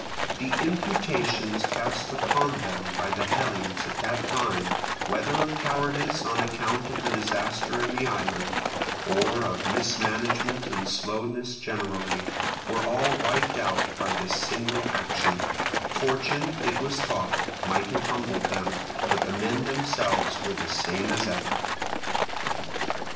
The imputations cast upon them by the Hellenes at the time, whether of cowardice on account of the disaster in the island, or of mismanagement and slowness generally, were all wiped out by this single action: fortune, it was thought, might have humbled them, but the men themselves were the same as ever.